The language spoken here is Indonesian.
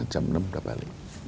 jam enam udah balik